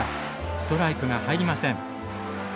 ストライクが入りません。